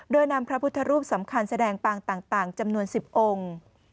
โดยนำพระพุทธรูปสำคัญแสดงปางต่างจำนวน๑๐องค์